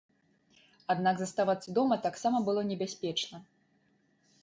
Аднак заставацца дома таксама было небяспечна.